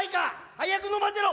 早く飲ませろ！